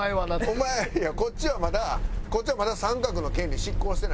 お前いやこっちはまだこっちはまだ三角の権利失効してないから。